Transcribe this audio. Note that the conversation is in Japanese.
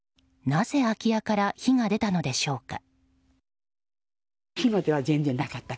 なぜ、空き家から火が出たのでしょうか。